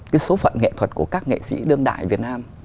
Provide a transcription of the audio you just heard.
cái số phận nghệ thuật của các nghệ sĩ đương đại việt nam